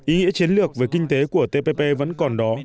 ý nghĩa chiến lược về kinh tế của tpp vẫn còn đó